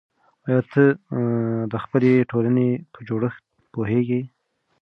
آیا ته د خپلې ټولنې په جوړښت پوهېږې؟